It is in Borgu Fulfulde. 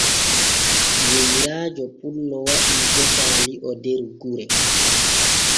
Yeyraajo pullo waɗii gesaa li'o der gure.